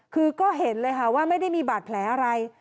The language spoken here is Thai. คือก็เห็นเลยค่ะว่าไม่ได้มีบาดแผลอะไร